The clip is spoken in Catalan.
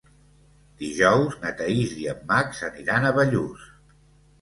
Dijous na Thaís i en Max aniran a Bellús.